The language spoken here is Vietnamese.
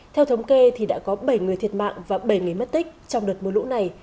theo thống kê thì đã có bảy người thiệt mạng và bảy người mất tích trong đợt mưa lũ này